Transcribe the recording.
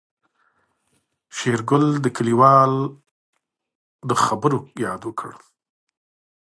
شېرګل د کليوال د خبرو ياد وکړ.